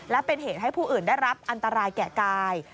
และเป็นเหตุให้ผู้อื่นได้รับอันตรายแก่กาย